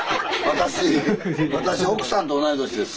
私奥さんと同い年です。